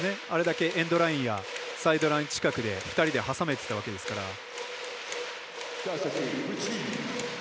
あれだけエンドラインやサイドライン近くで２人で挟めてたわけですから。